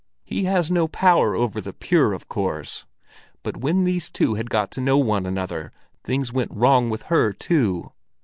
He has no power over the pure, of course; but when these two had got to know one another, things went wrong with her too.